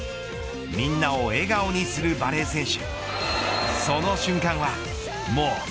みんなを笑顔にするバレー選手